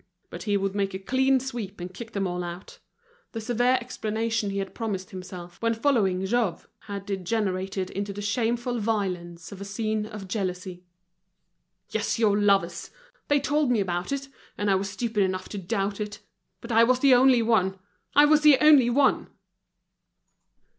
But he would make a clean sweep, and kick them all out. The severe explanation he had promised himself, when following Jouve, had degenerated into the shameful violence of a scene of jealousy. "Yes, your lovers! They told me about it, and I was stupid enough to doubt it. But I was the only one! I was the only one!"